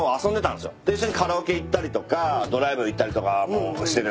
で一緒にカラオケ行ったりとかドライブ行ったりとかもしてね。